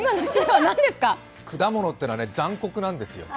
果物というのは残酷なんですよ。